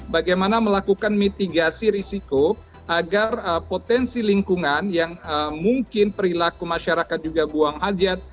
bagaimana melakukan mitigasi risiko agar potensi lingkungan yang mungkin perilaku masyarakat juga buang hajat